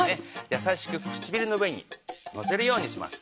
やさしくくちびるの上にのせるようにします。